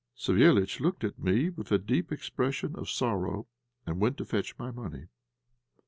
Savéliitch looked at me with a deep expression of sorrow, and went to fetch my money.